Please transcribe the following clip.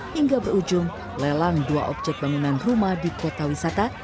hingga berujung lelang dua objek bangunan rumah di kota wisata